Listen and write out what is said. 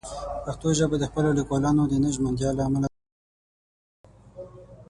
پښتو ژبه د خپلو لیکوالانو د نه ژمنتیا له امله وروسته پاتې شوې.